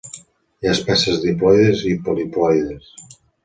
Hi ha espècies diploides i poliploides.